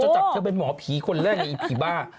จับเธอเป็นหมอผีคนแรกในอีผีบ้า